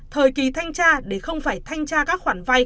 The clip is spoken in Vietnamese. thời kỳ thanh tra để không phải thanh tra các khoản vay